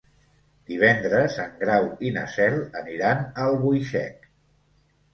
Divendres en Grau i na Cel aniran a Albuixec.